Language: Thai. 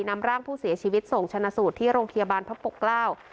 นำร่างผู้เสียชีวิตส่งชนะสูตรที่โรงพยาบาลพระปกเกล้า